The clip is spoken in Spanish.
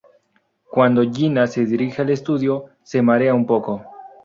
Cuando Jenna se dirige al estudio, se marea un poco.